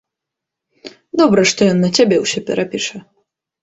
Добра што ён на цябе ўсё перапіша.